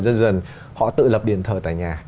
dần dần họ tự lập điện thờ tại nhà